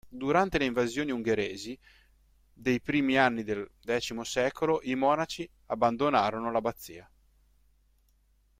Durante le invasioni ungheresi dei primi anni del X secolo i monaci abbandonarono l'abbazia.